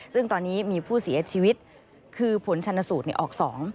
ซึ่งตอนนี้มีผู้เสียชีวิตคือผลชนสูตรออก๒